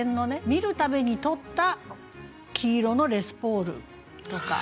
「見る度に撮った黄色のレスポール」とか。